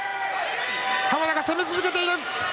濱田が攻め続けている。